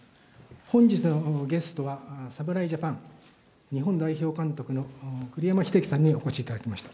本日のゲストは、侍ジャパン日本代表監督の栗山英樹さんにお越しいただきました。